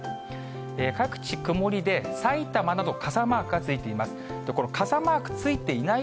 各地曇りで、埼玉など傘マークがついています。